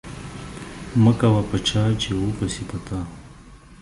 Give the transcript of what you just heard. مه کوه په چا، چي و به سي په تا.